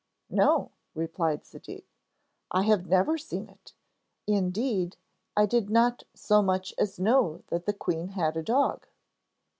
'No,' replied Zadig, 'I have never seen it. Indeed, I did not so much as know that the queen had a dog.'